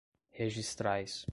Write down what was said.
registrais